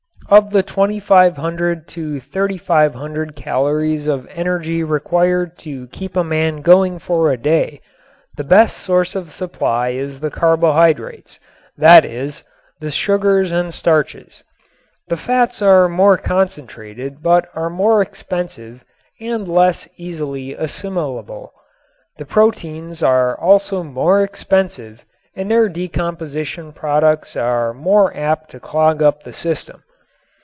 Of the 2500 to 3500 calories of energy required to keep a man going for a day the best source of supply is the carbohydrates, that is, the sugars and starches. The fats are more concentrated but are more expensive and less easily assimilable. The proteins are also more expensive and their decomposition products are more apt to clog up the system.